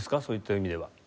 そういった意味では。